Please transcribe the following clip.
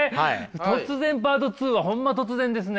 突然パート２はホンマ突然ですね。